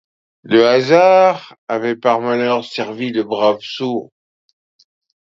Le hasard avait par malheur servi le brave sourd.